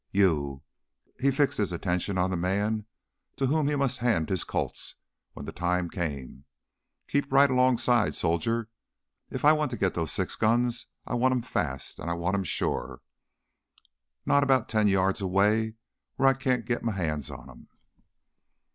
"You " he fixed his attention on the man to whom he must hand his Colts when the time came "keep right 'longside, soldier. If I want to get those six guns, I want 'em fast an' I want 'em sure not 'bout ten yards away wheah I can't git my hands on 'em!"